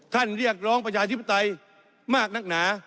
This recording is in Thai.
เรียกร้องประชาธิปไตยมากนักหนา